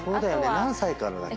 何歳から？